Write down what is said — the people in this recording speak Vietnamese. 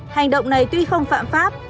hành động này tuy không phạm pháp